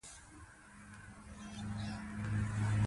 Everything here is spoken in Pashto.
ملالۍ به د چوپان لور وي.